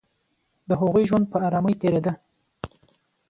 د هغوی ژوند په آرامۍ تېرېده